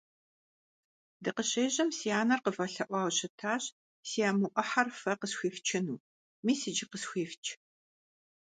Дыкъыщежьэм си анэр къывэлъэӀуауэ щытащ си аму Ӏыхьэр фэ къысхуифчыну. Мис иджы къысхуифч.